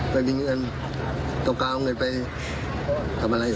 ไปมีเงินต้องการไปทำอะไร